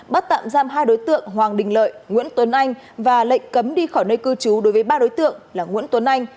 bắt tạm giam hai đối tượng hoàng đình lợi nguyễn tuấn anh và lệnh cấm đi khỏi nơi cư trú đối với ba đối tượng là nguyễn tuấn anh